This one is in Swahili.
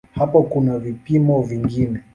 Hapo kuna vipimo vingine.